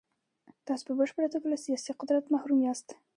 تاسو په بشپړه توګه له سیاسي قدرت محروم یاست.